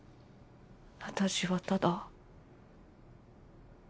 私はただ。